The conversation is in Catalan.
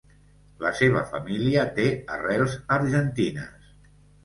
La seva família té arrels argentines.